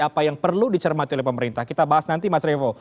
apa yang perlu dicermati oleh pemerintah kita bahas nanti mas revo